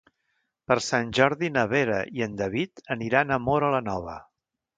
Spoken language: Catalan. Per Sant Jordi na Vera i en David aniran a Móra la Nova.